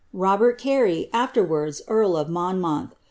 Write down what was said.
Ri>heri Carey, afterwards earl of Moiimouili.